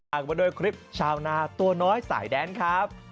มาโดยคลิปชาวนาตัวน้อยสายแดนครับ